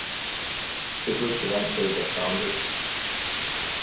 The group eventually disbanded.